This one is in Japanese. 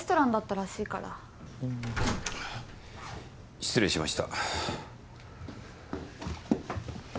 失礼しました。